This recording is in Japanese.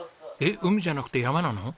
海じゃなくて山なの？